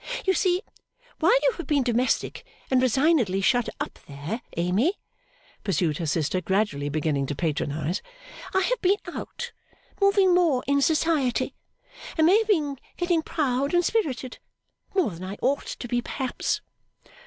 'You see, while you have been domestic and resignedly shut up there, Amy,' pursued her sister, gradually beginning to patronise, 'I have been out, moving more in Society, and may have been getting proud and spirited more than I ought to be, perhaps?